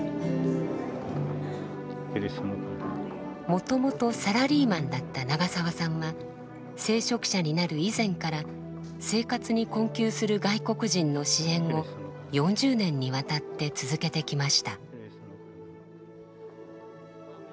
もともとサラリーマンだった長澤さんは聖職者になる以前から生活に困窮する外国人の支援を４０年にわたって続けてきました。